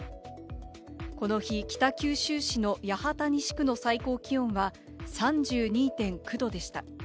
この日、北九州市の八幡西区の最高気温は３２．９度でした。